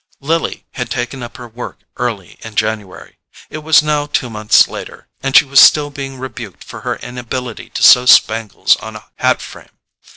Lily had taken up her work early in January: it was now two months later, and she was still being rebuked for her inability to sew spangles on a hat frame.